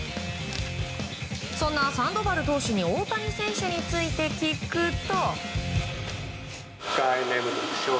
そんなサンドバル投手に大谷選手について聞くと。